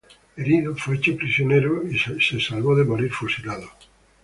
Herido, fue hecho prisionero y salvó de morir fusilado.